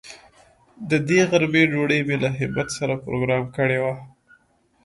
د دې غرمې ډوډۍ مې له همت سره پروگرام کړې وه.